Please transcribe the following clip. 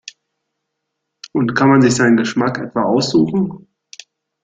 Und kann man sich seinen Geschmack etwa aussuchen?